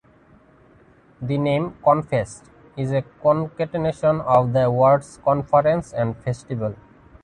The name 'ConFest' is a concatenation of the words Conference and Festival.